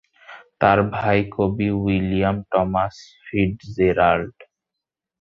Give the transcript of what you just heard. তার ভাই কবি উইলিয়াম টমাস ফিটজেরাল্ড।